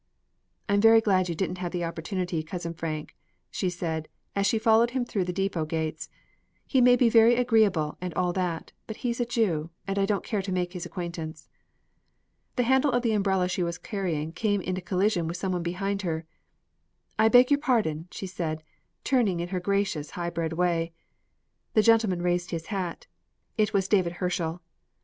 "I'm very glad you didn't have the opportunity, Cousin Frank," she said, as she followed him through the depot gates. "He may be very agreeable, and all that, but he's a Jew, and I don't care to make his acquaintance." The handle of the umbrella she was carrying came in collision with some one behind her. "I beg your pardon," she said, turning in her gracious, high bred way. The gentleman raised his hat. It was David Herschel.